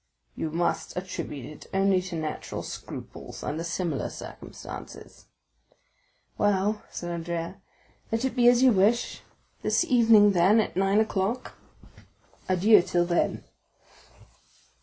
"You must attribute it only to natural scruples under similar circumstances." "Well," said Andrea, "let it be as you wish. This evening, then, at nine o'clock." "Adieu till then."